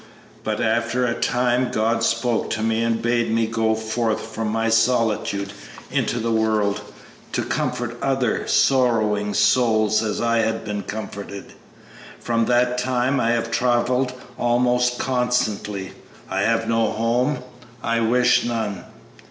"But after a time God spoke to me and bade me go forth from my solitude into the world, to comfort other sorrowing souls as I had been comforted. From that time I have travelled almost constantly. I have no home; I wish none.